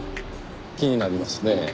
気になりますねぇ。